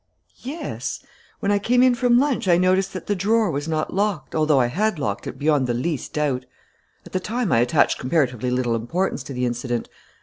"Yes. When I came in from lunch I noticed that the drawer was not locked, although I had locked it beyond the least doubt. At the time I attached comparatively little importance to the incident.